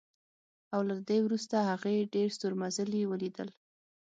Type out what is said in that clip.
او له دې وروسته هغې ډېر ستورمزلي ولیدل